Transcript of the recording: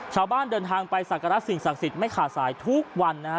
ชาวบ้านเดินทางไปสักการะสิ่งศักดิ์สิทธิ์ไม่ขาดสายทุกวันนะฮะ